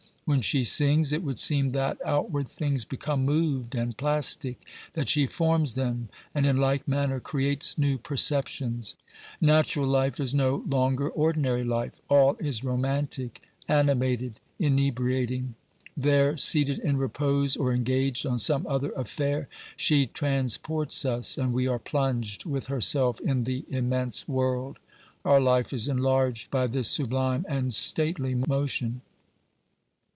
When she sings it would seem that outward things become moved and plastic, that she forms them and in like manner creates new perceptions. Natural life is no longer ordinary life ; all is romantic, animated, inebriating. There, seated in repose or engaged on some other affair, she transports us and we are plunged with herself in the immense world ; our life is enlarged by this sublime and stately motion.